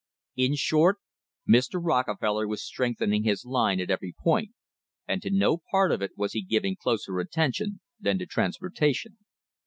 In short, Mr. Rockefeller was strengthening his line at every point, and to no part of it was he giving closer attention than to transportation.